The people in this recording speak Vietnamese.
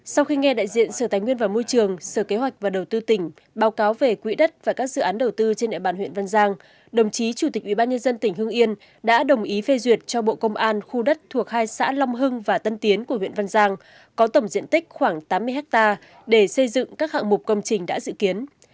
sau khi nghe đại diện sở tài nguyên và môi trường sở kế hoạch và đầu tư tỉnh báo cáo về quỹ đất và các dự án đầu tư trên địa bàn huyện văn giang đồng chí chủ tịch ubnd tỉnh hưng yên đã đồng ý phê duyệt cho bộ công an khu đất thuộc hai xã long hưng và tân tiến của huyện văn giang có tổng diện tích khoảng tám mươi hectare để xây dựng các hạng mục công trình đã dự kiến